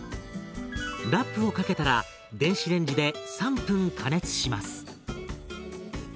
ラップをかけたら電子レンジで３分加熱します。